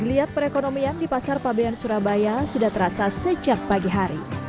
geliat perekonomian di pasar pabean surabaya sudah terasa sejak pagi hari